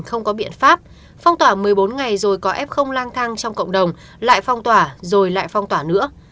không có biện pháp phong tỏa một mươi bốn ngày rồi có f không lang thang trong cộng đồng lại phong tỏa rồi lại phong tỏa nữa